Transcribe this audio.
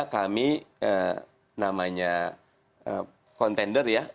kami namanya contender ya